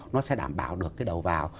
nó sẽ đảm bảo được cái đầu vào